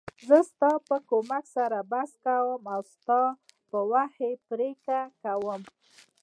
زه ستا په کومک سره بحث کوم او ستا په وحی پریکړه کوم .